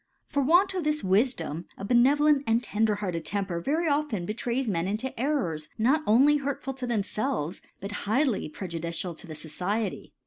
a For For Want of this Wiidoin, a benevo lent and tender hearted Temper very often b^tr^ys Men iajjo Eirprs not only hurtfal to themfelves, but highly prejudicial to thp Society.